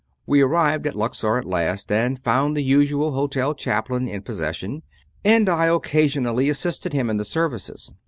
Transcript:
We arrived at Luxor at last, and found the usual hotel chaplain in posses sion; and I occasionally assisted him in the services.